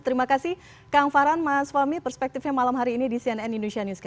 terima kasih kang farhan mas fahmi perspektifnya malam hari ini di cnn indonesia newscast